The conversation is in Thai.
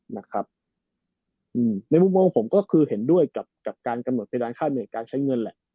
ในมุมมองผมก็คือเห็นด้วยกับการกำหนดเพดานค่าเหนื่อยการใช้เงินแหละ